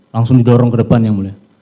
langsung didorong ke depan yang mulia